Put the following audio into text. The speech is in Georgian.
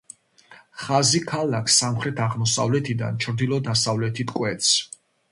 ხაზი ქალაქს სამხრეთ-აღმოსავლეთიდან ჩრდილო-დასავლეთით კვეთს.